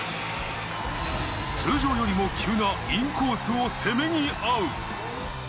通常よりも急なインコースをせめぎ合う。